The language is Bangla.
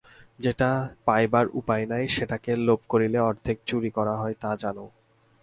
যেটা পাইবার উপায় নাই সেটাকে লোভ করিলে অর্ধেক চুরি করা হয় তা জান!